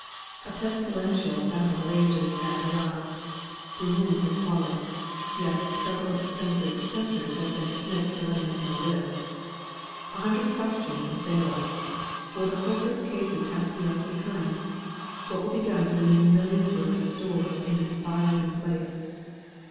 A pestilential battle rages at Arras; Dixmude has fallen (yes, several of the Censor's censors have been dismissed for letting us know this!) A hundred questions assail us. Will the hopeless cases have to be left behind? What will be done to the many millions' worth of stores in this spy ridden place?